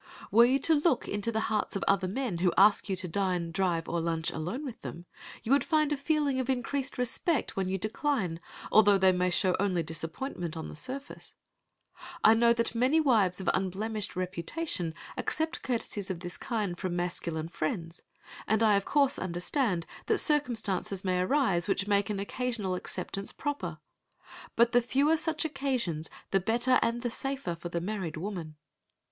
Were you to look into the hearts of other men who ask you to dine, drive, or lunch alone with them, you would find a feeling of increased respect when you decline, although they may show only disappointment on the surface. I know that many wives of unblemished reputation accept courtesies of this kind from masculine friends, and I of course understand that circumstances may arise which make an occasional acceptance proper. But the fewer such occasions, the better and the safer for the married woman.